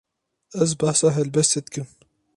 Ez behsa helbestê dikim.